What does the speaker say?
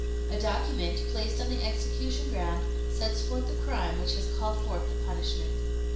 A document, placed on the execution ground, sets forth the crime which has called forth the punishment.